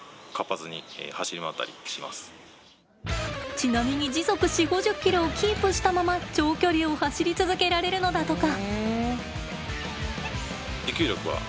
ちなみに時速４０５０ｋｍをキープしたまま長距離を走り続けられるのだとか。